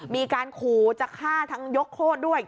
มีการขู่จะฆ่าทั้งยกโคตรด้วย